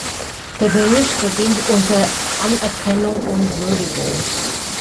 Der Bericht verdient unsere Anerkennung und Würdigung.